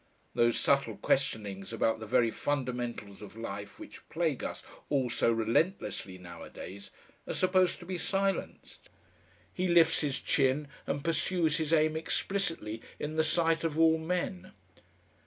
Those subtle questionings about the very fundamentals of life which plague us all so relentlessly nowadays are supposed to be silenced. He lifts his chin and pursues his Aim explicitly in the sight of all men.